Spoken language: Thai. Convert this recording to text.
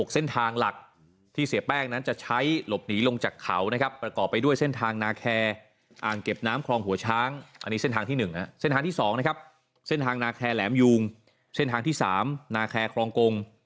เส้นทางที่๒นะครับเส้นทางนาแครแหลมยูงเส้นทางที่๓นาแครคลองกง